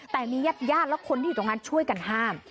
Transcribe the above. แต่มีญาติญาติและคนที่อยู่ตรงนั้นช่วยกันห้าม